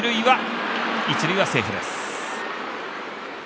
一塁はセーフです。